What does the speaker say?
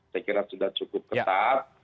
saya kira sudah cukup ketat